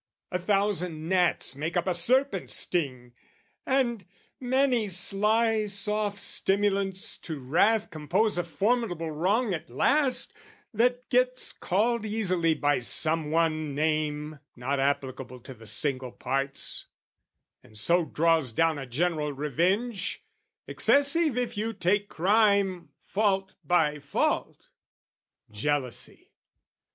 A thousand gnats make up a serpent's sting, And many sly soft stimulants to wrath Compose a formidable wrong at last, That gets called easily by some one name Not applicable to the single parts, And so draws down a general revenge, Excessive if you take crime, fault by fault. Jealousy!